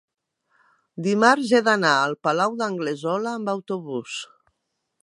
dimarts he d'anar al Palau d'Anglesola amb autobús.